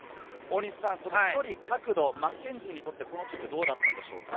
距離、角度、マッケンジーにとってこのキックはどうだったのでしょうか？